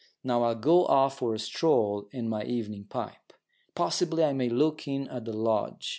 Now I'll go off for a stroll and my evening pipe. Possibly I may look in at the lodge.